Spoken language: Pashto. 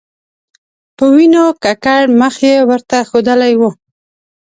په وینو ککړ مخ یې ورته ښودلی و.